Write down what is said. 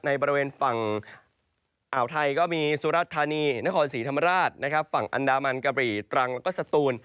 ในบริเวณฝั่งอ่าวไทยก็มีสุรธานีนครศรีธรรมราชฝั่งอันดามันกะหรี่ตรังแล้วก็สตูน